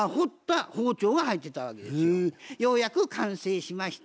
「ようやく完成しました。